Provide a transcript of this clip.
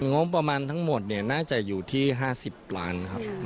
งบประมาณทั้งหมดน่าจะอยู่ที่๕๐ล้านครับ